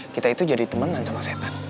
kita itu jadi temenan sama setan